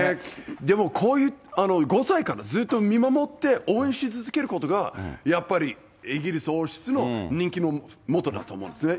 でも５歳からずっと見守って、応援し続けることが、やっぱりイギリス王室の人気のもとだと思うんですね。